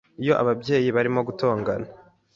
Iyo ababyeyi barimo gutongana